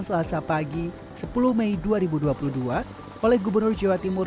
selasa pagi sepuluh mei dua ribu dua puluh dua oleh gubernur jawa timur